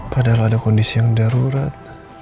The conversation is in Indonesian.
padahal ada kondisi yang darurat